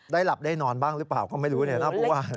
หลับได้นอนบ้างหรือเปล่าก็ไม่รู้เนี่ยนะผู้ว่า